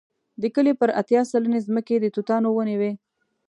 د کلي پر اتیا سلنې ځمکې د توتانو ونې وې.